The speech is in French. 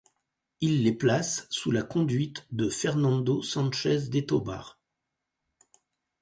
Il les place sous la conduite de Fernando Sánchez de Tovar.